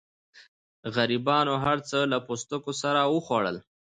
غریبانو هر څه له پوستکو سره وخوړل.